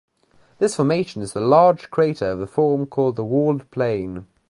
This formation is a large crater of the form called a walled plain.